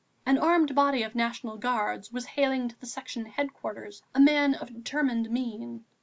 An armed body of National Guards was haling to the Section headquarters a man of determined mien.